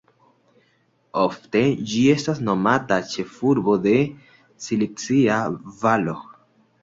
Ofte ĝi estas nomata "ĉefurbo de Silicia Valo.